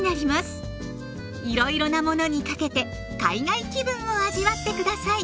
いろいろなものにかけて海外気分を味わって下さい！